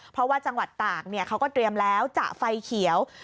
เพราะว่าจังหวัดตากเขาก็เตรียมแล้วจะไฟเขียว